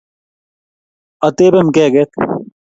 Atebe mkeket